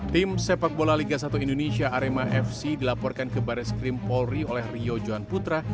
tim sepak bola liga satu indonesia arema fc dilaporkan ke baris krim polri oleh rio johan putra